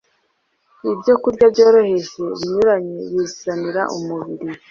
Ibyokurya byoroheje binyuranye, bizanira umubiri